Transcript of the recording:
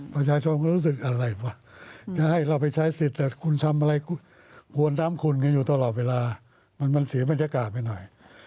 ประชาชนก็รู้สึกอะไรวะจะให้เราไปใช้สิทธิ์แต่คุณทำอะไรควรน้ำคุณกันอยู่ตลอดเวลามันเสียบรรยากาศไปหน่อย